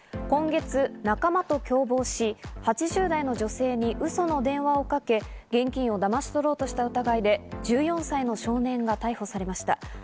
今月、仲間と共謀し、８０代の女性にウソの電話をかけ、現金をだまし取ろうとした疑いで１４歳の少年が逮捕されました。